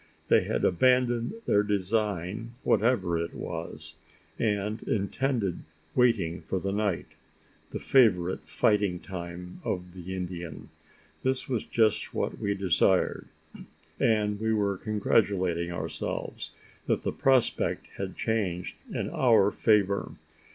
They had abandoned their design, whatever it was; and intended waiting for night the favourite fighting time of the Indian. This was just what we desired; and we were congratulating ourselves that the prospect had changed in our favour.